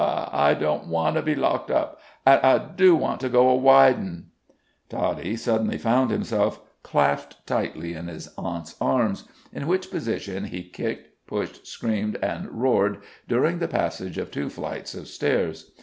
I don't want to be locked up, an' I do want to go a widin'." Toddie suddenly found himself clasped tightly in his aunt's arms, in which position he kicked, pushed, screamed, and roared, during the passage of two flights of stairs.